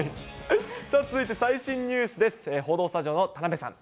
続いて、最新ニュースです。